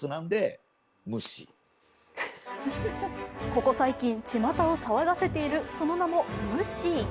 ここ最近、ちまたを騒がせているその名もムッシー。